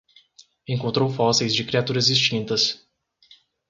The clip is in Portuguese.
Encontrou fósseis de criaturas extintas